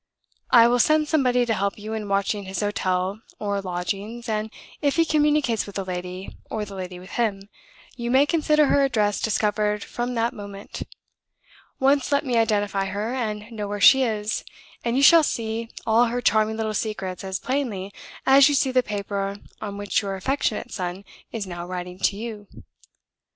I will send somebody to help you in watching his hotel or lodgings; and if he communicates with the lady, or the lady with him, you may consider her address discovered from that moment. Once let me identify her, and know where she is, and you shall see all her charming little secrets as plainly as you see the paper on which your affectionate son is now writing to you.